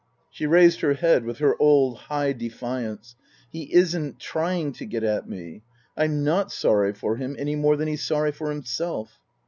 She raised her head with her old, high defiance. " He isn't trying to get at me. I'm not sorry for him any more than he's sorry for himself."